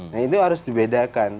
nah itu harus dibedakan